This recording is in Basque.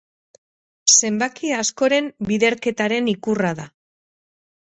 Zenbaki askoren biderketaren ikurra da.